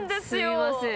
すみません。